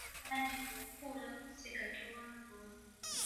Kigambibwa nti bw'otuula ku ssiga towanvuwa.